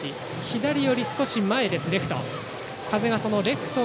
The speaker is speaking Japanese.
左寄り、少し前です、レフト。